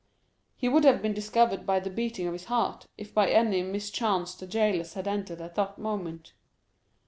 He would have been discovered by the beating of his heart, if by any mischance the jailers had entered at that moment.